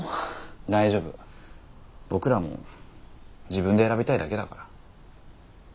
大丈夫僕らも自分で選びたいだけだから。